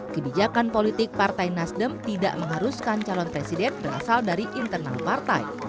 kebijakan politik partai nasdem tidak mengharuskan calon presiden berasal dari internal partai